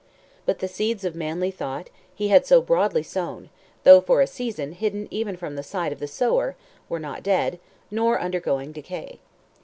But the seeds of manly thought he had so broadly sown, though for a season hidden even from the sight of the sower, were not dead, nor undergoing decay.